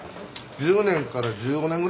１０年から１５年ぐらいじゃないの。